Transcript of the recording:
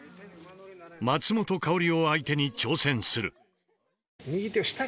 松本薫を相手に挑戦する。